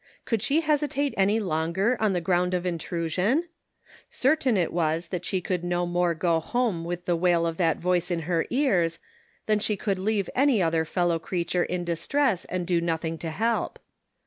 Could she hesi ate any longer 011 the ground of intrusion ? Certain it was that she could no more go home with the wail of that voice in her ears, than she could leave any other fellow creature in distress and do nothing to help.